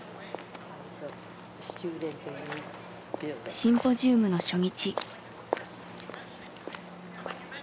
シンポジウムの初日。